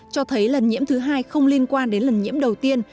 cho thấy lần nhiễm thứ hai không liên quan đến lần nhiễm đầu tiên